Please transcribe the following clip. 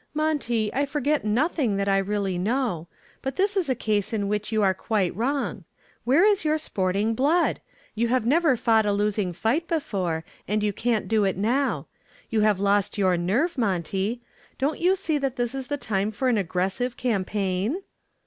"Monty, I forget nothing that I really know. But this is a case in which you are quite wrong. Where is your sporting blood? You have never fought a losing fight before, and you can't do it now. You have lost your nerve, Monty. Don't you see that this is the time for an aggressive campaign?"